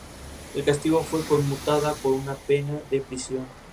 El castigo fue conmutada por una pena de prisión.